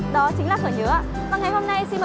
đó chính là phở nhớ